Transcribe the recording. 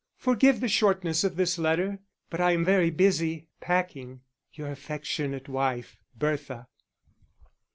_ Forgive the shortness of this letter, but I am very busy, packing. Your affectionate wife, _BERTHA.